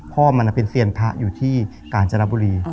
มันเป็นเซียนพระอยู่ที่กาญจนบุรี